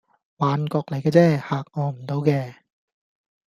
幻覺嚟架啫，嚇我唔倒嘅